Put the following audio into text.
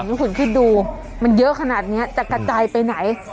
ที่คุณคิดดูเมื่อเยอะขนาดเนี้ยจะกระจายไปไหน